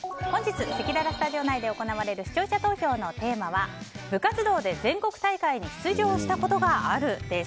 せきららスタジオ内で行われる視聴者投票のテーマは部活動で全国大会に出場したことがあるです。